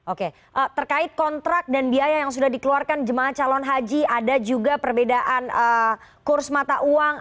oke terkait kontrak dan biaya yang sudah dikeluarkan jemaah calon haji ada juga perbedaan kurs mata uang